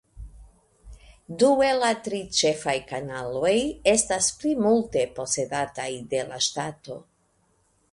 Du el la tri ĉefaj kanaloj estas plimulte posedataj de la ŝtato.